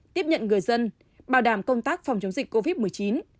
tiếp nhận người dân bảo đảm công tác phòng chống dịch covid một mươi chín